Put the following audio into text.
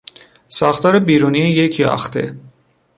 ساختار بیرونی یک یاخته